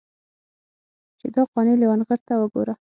چې دا قانع لېونغرته وګوره.